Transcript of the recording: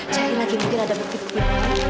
saya lagi mungkin ada bukti bukti